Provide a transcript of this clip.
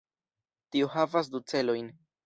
Tio havas du celojn.